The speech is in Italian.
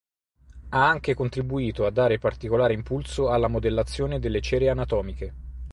Ha anche contribuito a dare particolare impulso alla modellazione delle cere anatomiche.